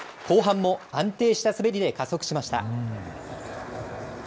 後半も安定した滑りで加速しました。